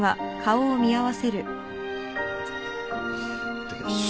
いただきます。